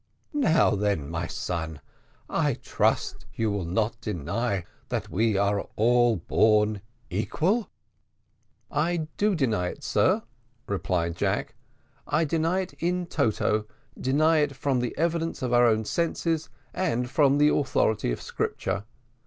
Now then, my son, I trust you will not deny that we were all born equal." "I do deny it, sir," replied Jack; "I deny it in toto I deny it from the evidence of our own senses, and from the authority of Scripture.